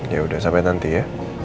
ya udah sampai nanti ya